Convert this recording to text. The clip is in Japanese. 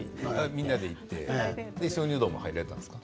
みんなで行って鍾乳洞も入れられたんですか？